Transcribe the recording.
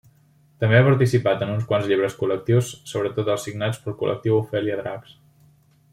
També ha participat en uns quants llibres col·lectius, sobretot als signats pel col·lectiu Ofèlia Dracs.